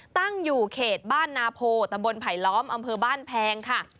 ตั้งอยู่เขตบ้านนาโพตำบลไผลล้อมอำเภอบ้านแพงค่ะ